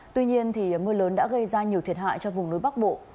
tuy nhiên mưa lớn đã gây ra nhiều thiệt hại cho vùng núi bắc bộ